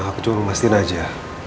aku cuma memastikan aja